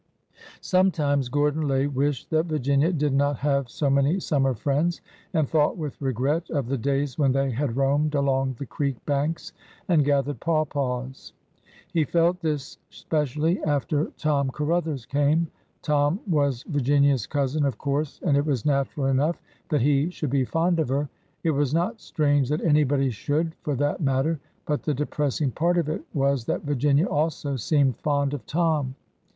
Sometimes Gordon Lay wished that Virginia did not have so many summer friends, and thought with regret of the days when they had roamed along the creek banks and gathered pawpaws. He felt this specially after Tom Caruthers came. Tom was Virginia's cousin, of course, and it was natural enough that he should be fond of her. It was not strange that anybody should, for that matter; but the depressing part of it was that Virginia also seemed fond of Tom.